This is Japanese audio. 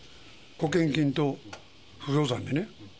保険金と不動産でね。